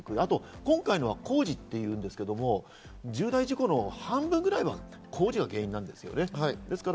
今回の工事ですけれども、重大事故の半分ぐらいは工事が原因なんです。